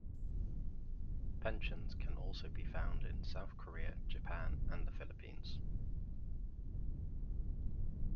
Pensions can also be found in South Korea, Japan, and the Philippines.